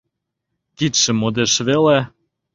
Кидше модеш веле.